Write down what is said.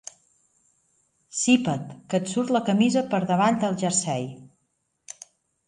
Sipa't, que et surt la camisa per davall del jersei.